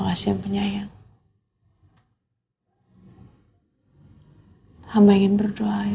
dan yang akan saya lakukan setelah ini